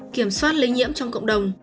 kiểm soát lây nhiễm trong cộng đồng